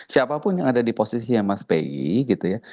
siapapun yang ada di posisi ya mas peggy gitu ya